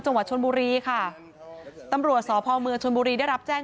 จังหวัดชนบุรีค่ะตำรวจสพเมืองชนบุรีได้รับแจ้ง